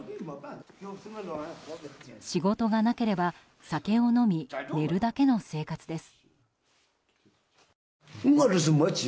仕事がなければ酒を飲み寝るだけの生活です。